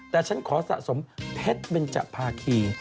แต่ฉันขอสะสมเพชรเบนจภาคี